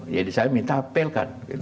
jadi saya minta hapelkan